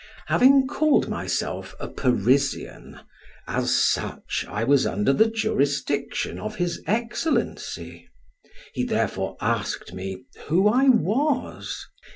Having called myself a Parisian, as such, I was under the jurisdiction of his excellency: he therefore asked me who I was?